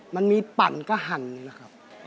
มันมีปั่นก็หั่นนะครับ